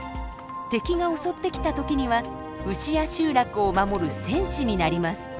敵が襲ってきた時には牛や集落を守る戦士になります。